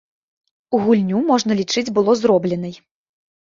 Гульню можна лічыць было зробленай.